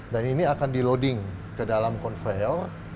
dan ini akan di loading ke dalam conveyor